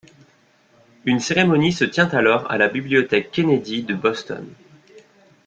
Une cérémonie se tient alors à la Bibliothèque Kennedy de Boston.